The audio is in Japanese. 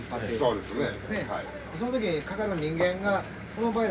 そうですね。